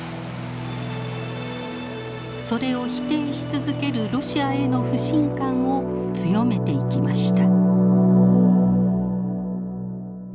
それを否定し続けるロシアへの不信感を強めていきました。